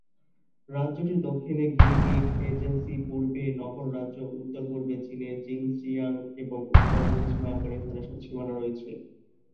রাজ্যটির দক্ষিণে গিলগিট এজেন্সি, পূর্বে নগর রাজ্য, উত্তর-পূর্বে চীনের জিনজিয়াং, এবং উত্তর-পশ্চিমে আফগানিস্তানের সাথে সীমানা রয়েছে।